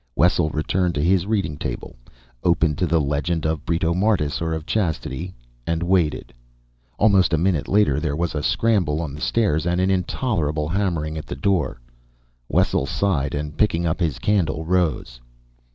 Wessel returned to his reading table, opened to the Legend of Britomartis or of Chastity and waited. Almost a minute later there was a scramble on the stairs and an intolerable hammering at the door. Wessel sighed and, picking up his candle, rose.